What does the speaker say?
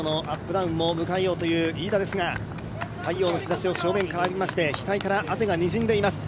ダウンも迎えようという飯田ですが太陽の日ざしを正面から浴びまして汗がにじんでいます。